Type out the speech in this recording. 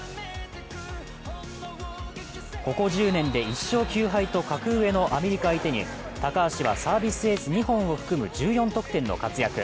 ここ１０年で１勝９敗と格上のアメリカ相手に高橋はサービスエース２本を含む１４得点の活躍。